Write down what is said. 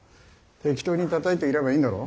適当にたたいていればいいんだろ。